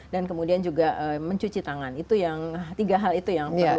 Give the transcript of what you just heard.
dan kemudian juga mencuci tangan itu yang tiga hal itu yang perlu